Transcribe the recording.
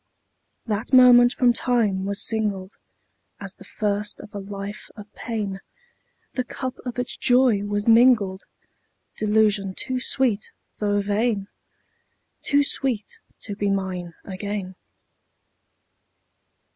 _10 3. That moment from time was singled As the first of a life of pain; The cup of its joy was mingled Delusion too sweet though vain! Too sweet to be mine again.